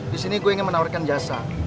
di sini gue ingin menawarkan jasa